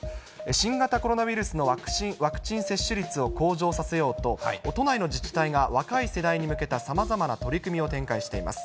新型コロナウイルスのワクチン接種率を向上させようと、都内の自治体が、若い世代に向けたさまざまな取り組みを展開しています。